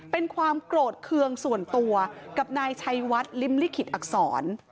เป็นความโกรธเคืองส่วนตัวกับนายชัยวัดลิ้มลิขิตอักษร